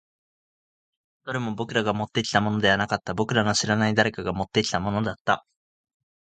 どれも僕らがもってきたものではなかった。僕らの知らない誰かが持ってきたものだった。